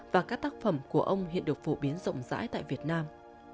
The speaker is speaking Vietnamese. và các tác phẩm của ông hiện được phổ biến rộng rãi tại việt nam